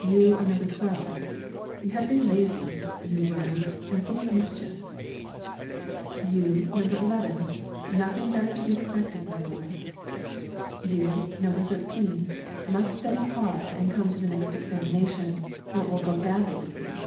"You are number twelve; you have been lazy, you rogue, and full of mischief; you number eleven, nothing better to be expected, my boy; you, number thirteen, must study hard and come to the next examination, or it will go badly with you!"